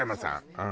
うん。